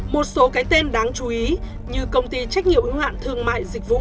một số cái tên đáng chú ý như công ty trách nhiệm ưu hạn thương mại dịch vụ